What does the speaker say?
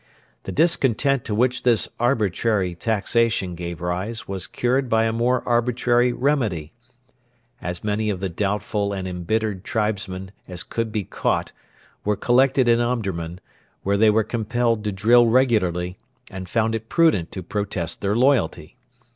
The discontent to which this arbitrary taxation gave rise was cured by a more arbitrary remedy. As many of the doubtful and embittered tribesmen as could be caught were collected in Omdurman, where they were compelled to drill regularly, and found it prudent to protest their loyalty.